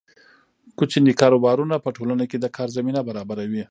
کوچني کاروبارونه په ټولنه کې د کار زمینه برابروي.